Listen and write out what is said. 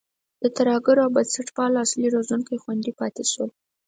د ترهګرو او بنسټپالو اصلي روزونکي خوندي پاتې شول.